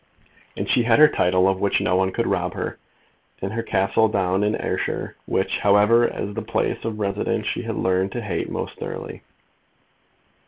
And she had her title, of which no one could rob her, and her castle down in Ayrshire, which, however, as a place of residence she had learned to hate most thoroughly.